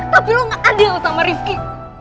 tapi lo gak adil sama rifki